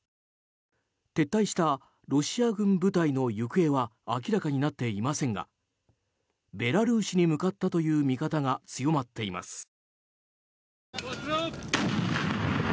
撤退したロシア軍部隊の行方は明らかになっていませんがベラルーシに向かったという見方が強まっています。